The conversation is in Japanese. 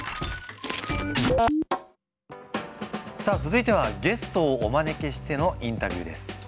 さあ続いてはゲストをお招きしてのインタビューです。